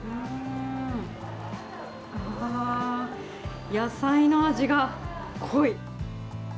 あー、野菜の味が濃い。